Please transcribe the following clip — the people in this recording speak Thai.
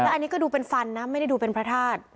อันนี้ก็ดูเป็นฟันนะไม่ได้ดูเป็นพระธาตุ